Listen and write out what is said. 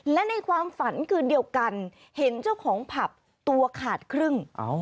และในความฝันคืนเดียวกันเห็นเจ้าของผับตัวขาดครึ่ง